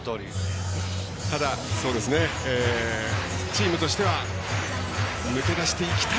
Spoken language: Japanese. ただ、チームとしては抜け出していきたい